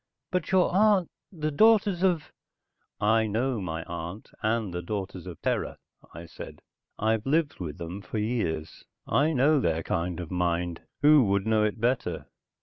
"But your aun ... the Daughters of...." "I know my aunt and the Daughters of Terra," I said. "I've lived with them for years. I know their kind of mind. Who would know it better?"